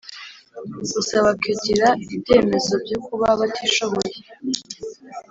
gusa bakagira ibyemezo byo kuba batishoboye.